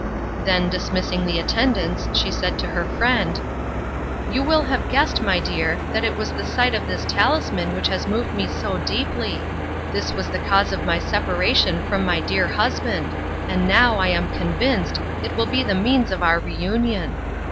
Then, dismissing the attendants, she said to her friend: "You will have guessed, my dear, that it was the sight of this talisman which has moved me so deeply. This was the cause of my separation from my dear husband, and now, I am convinced, it will be the means of our reunion."